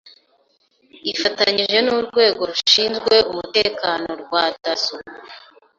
ifatanyije n’urwego rushinzwe umutekano rwa Dasso